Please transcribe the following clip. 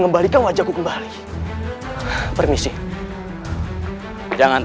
aku baru saja mau menyusul